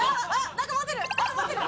何か持ってる！